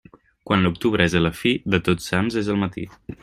Quan l'octubre és a la fi, de Tots Sants és el matí.